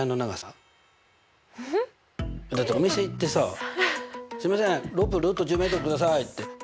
だってお店行ってさすみませんロープｍくださいって。